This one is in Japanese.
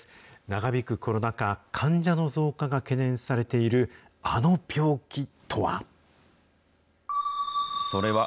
長引くコロナ禍、患者の増加が懸念されているあの病気とは。